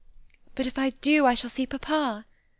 "But if I do I shall see papa?"